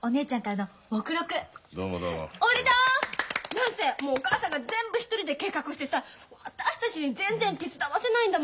何せもうお母さんが全部１人で計画してさ私たちに全然手伝わせないんだもん。